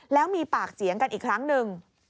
แล้วมีปากเสียงกันอีกครั้งหนึ่ง